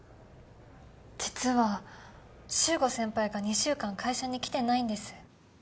実は修吾先輩が２週間会社に来てないんです。